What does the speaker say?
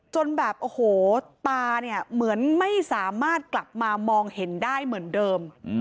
จนแบบโอ้โหตาเนี่ยเหมือนไม่สามารถกลับมามองเห็นได้เหมือนเดิม